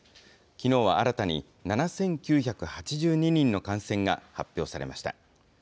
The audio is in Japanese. きのうは新たに７９８２人の感染が発表されました。